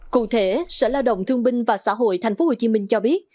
cụ thể sở lao động thương binh và xã hội tp hcm cho biết